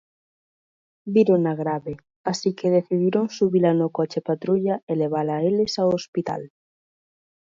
Vírona grave, así que decidiron subila no coche patrulla e levala eles ao hospital.